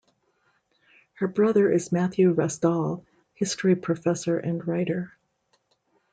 Her brother is Matthew Restall, history professor and writer.